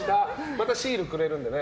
またシールくれるんでね。